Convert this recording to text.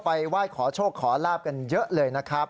ไหว้ขอโชคขอลาบกันเยอะเลยนะครับ